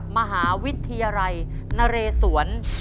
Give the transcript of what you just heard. กับมหาวิทยาลัยนะเรสวน